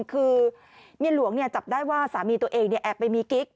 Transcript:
คือเมียหลวงจับได้ว่าสามีตัวเองแอบไปมีกิ๊ก